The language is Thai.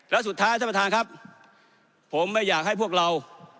แล้วสุดท้ายท่านประธานครับผมไม่อยากให้พวกเรา